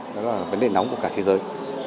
nó là vấn đề nóng của cả thế giới